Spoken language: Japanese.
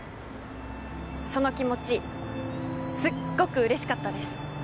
その気持ちすっごく嬉しかったです。